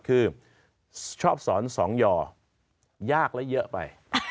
คือชอบสอนสองย่อยากและเยอะไป